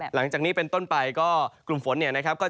หลังจากนี้เป็นต้นไปกลุ่มฝนก็จะเพิ่มมากขึ้น